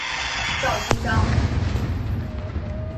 赵锡章。